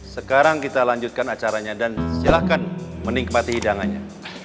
sekarang kita lanjutkan acaranya dan silahkan menikmati hidangannya